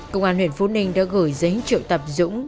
công an huyện phú ninh đã gửi giấy triệu tập dũng